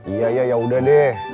iya ya udah deh